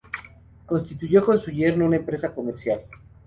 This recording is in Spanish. Constituyó con su yerno una empresa comercial.